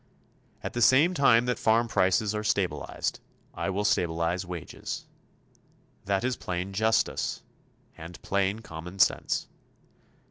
At the same time that farm prices are stabilized, I will stabilize wages. That is plain justice and plain common sense.